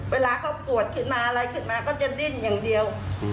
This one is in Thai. เวลาเขาปวดขึ้นมาอะไรขึ้นมาก็จะดิ้นอย่างเดียว